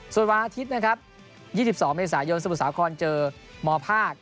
ส่วนวันอาทิตย์นะครับ๒๒เมษายนสมุทรสาครเจอมภาค